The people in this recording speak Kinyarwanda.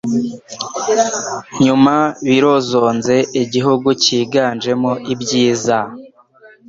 Nyuma birozonze igihugu cyiganjemo ibyiza